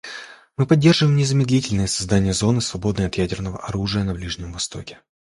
Мы поддерживаем незамедлительное создание зоны, свободной от ядерного оружия, на Ближнем Востоке.